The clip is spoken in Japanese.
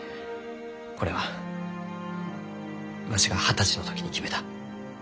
これはわしが二十歳の時に決めたわしの仕事じゃ。